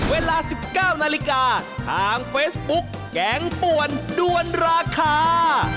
เวลา๑๙นาฬิกาทางเฟซบุ๊กแกงป่วนด้วนราคา